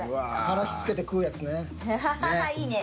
からし付けて食うやつね。